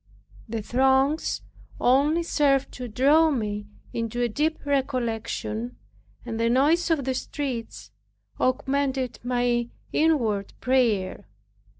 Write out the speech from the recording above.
The throngs only served to draw me into a deep recollection, and the noise of the streets augmented my inward prayer.